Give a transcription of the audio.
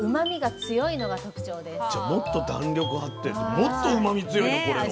じゃもっと弾力あってもっとうまみ強いの？